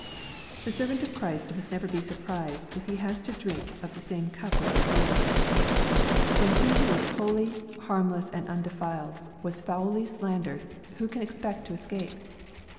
The servant of Christ must never be surprised if he na» to drink of the same cup with his Lord. When He wha LUKE, CHAP. XXIII. 449 was holy, harmless, and uiidefiled, was foully slandered, who can expect to escape